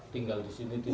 tinggal di sini